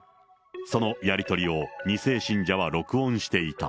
そのやり取りを２世信者は録音していた。